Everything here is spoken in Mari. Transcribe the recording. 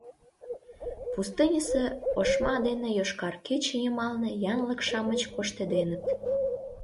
Пустыньысе ошма дене йошкар кече йымалне янлык-шамыч коштеденыт.